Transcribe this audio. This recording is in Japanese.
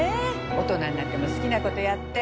大人になっても好きなことやって。